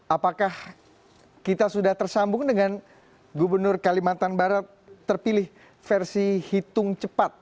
apakah kita sudah tersambung dengan gubernur kalimantan barat terpilih versi hitung cepat